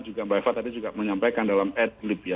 juga mbak eva tadi juga menyampaikan dalam ad lift ya